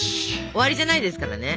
終わりじゃないですからね。